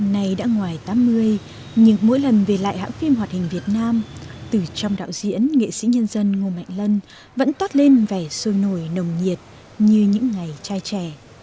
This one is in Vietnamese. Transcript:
hôm nay đã ngoài tám mươi nhưng mỗi lần về lại hãng phim hoạt hình việt nam từ trong đạo diễn nghệ sĩ nhân dân ngô mạnh lân vẫn toát lên vẻ sôi nổi nồng nhiệt như những ngày trai trẻ